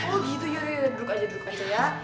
oh gitu yaudah duduk aja ya